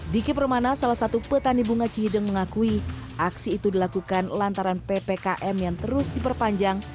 diki permana salah satu petani bunga cihideng mengakui aksi itu dilakukan lantaran ppkm yang terus diperpanjang